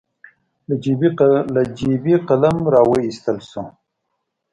له جېبې قلم راواييستل شو.